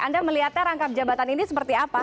anda melihatnya rangkap jabatan ini seperti apa